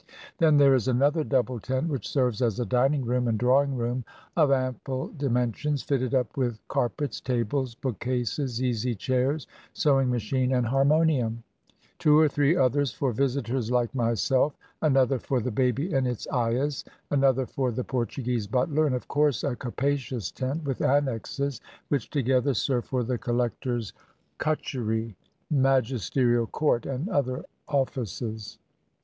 Then there is another double tent, which serves as a dining room and drawing room, of ample dimensions, fitted up with car pets, tables, bookcases, easy chairs, sewing machine, and harmonium: two or three others for visitors like my self; another for the baby and its ayahs; another for the Portuguese butler; and of course a capacious tent, with annexes, which together serve for the collector's kutchery, magisterial court, and other offices.